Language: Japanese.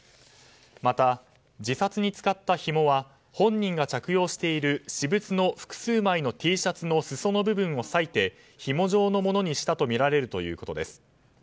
また、自殺に使ったひもは本人が着用している私物の複数枚のＴシャツのすその部分を割いてひも状のものにしたとみられるということです。